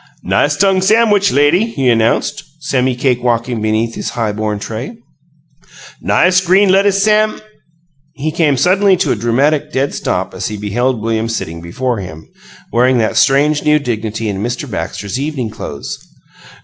"Nice tongue samwich, lady!" he announced, semi cake walking beneath his high borne tray. "Nice green lettuce sam " He came suddenly to a dramatic dead stop as he beheld William sitting before him, wearing that strange new dignity and Mr. Baxter's evening clothes.